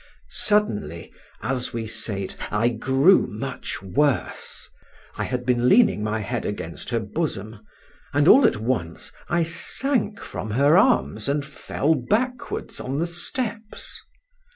Suddenly, as we sate, I grew much worse. I had been leaning my head against her bosom, and all at once I sank from her arms and fell backwards on the steps.